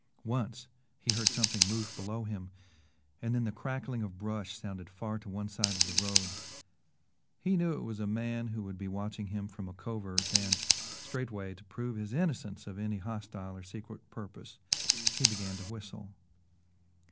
Once he heard something move below him and then the crackling of brush sounded far to one side of the road. He knew it was a man who would be watching him from a covert and, straightway, to prove his innocence of any hostile or secret purpose, he began to whistle.